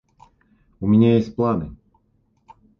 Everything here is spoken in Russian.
У меня есть план.